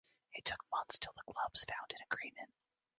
It took months till the clubs found an agreement.